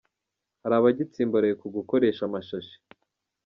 Hari abagitsimbaraye ku gukoresha amashashi